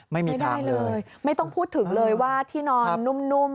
ไม่ได้เลยไม่ต้องพูดถึงเลยว่าที่นอนนุ่ม